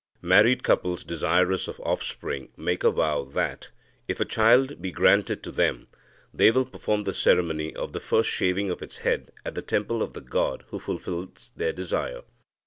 Married couples desirous of offspring make a vow that, if a child be granted to them, they will perform the ceremony of the first shaving of its head at the temple of the god who fulfils their desire.